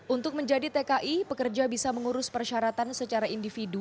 untuk menjadi tki pekerja bisa mengurus persyaratan secara individu